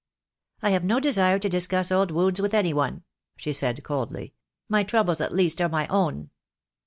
"I have no desire to discuss old wounds with anyone," she said coldly. "My troubles at least are my own."